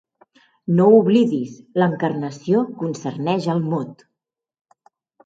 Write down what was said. No ho oblidis: l’encarnació concerneix el mot.